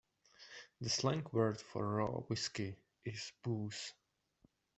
The slang word for raw whiskey is booze.